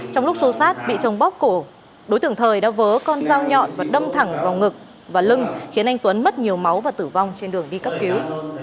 trong lúc xô xát bị chồng bóc cổ đối tượng thời đã vớ con dao nhọn và đâm thẳng vào ngực và lưng khiến anh tuấn mất nhiều máu và tử vong trên đường đi cấp cứu